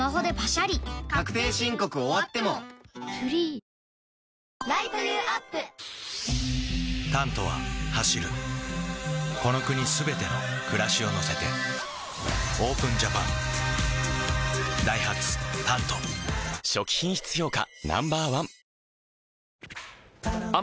確定申告終わってもｆｒｅｅｅ「タント」は走るこの国すべての暮らしを乗せてＯＰＥＮＪＡＰＡＮダイハツ「タント」初期品質評価